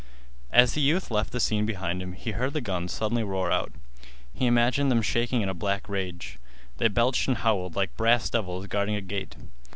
As the youth left the scene behind him, he heard the guns suddenly roar out. He imagined them shaking in black rage. They belched and howled like brass devils guarding a gate.